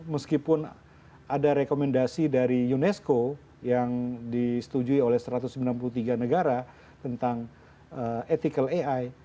meskipun ada rekomendasi dari unesco yang disetujui oleh satu ratus sembilan puluh tiga negara tentang ethical ai